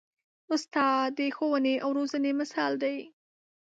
استاد د ښوونې او روزنې مثال دی.